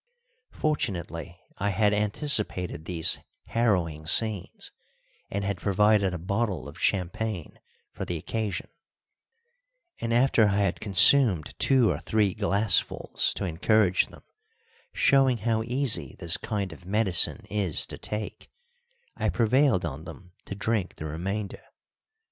Fortunately I had anticipated these harrowing scenes, and had provided a bottle of champagne for the occasion; and after I had consumed two or three glassfuls to encourage them, showing how easy this kind of medicine is to take, I prevailed on them to drink the remainder.